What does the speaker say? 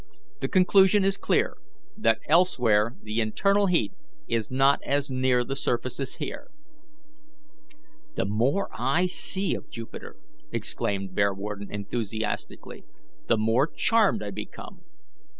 The conclusion is clear that elsewhere the internal heat is not as near the surface as here." "The more I see of Jupiter," exclaimed Bearwarden enthusiastically, "the more charmed I become.